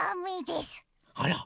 あら！